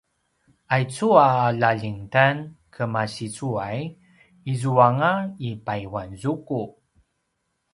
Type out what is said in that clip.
aicu a lalingdan kemasicuay izuanga i payuanzuku